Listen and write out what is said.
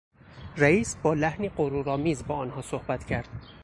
رئیس بالحنی غرور آمیز با آنها صحبت کرد.